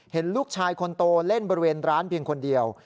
เห็นลูกชายคนโตเล่นบริเวณร้านเพียงคนเดียว